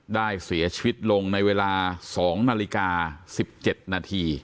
ได้เสียชีวิตลงในเวลา๒นาฬิกา๑๗นาที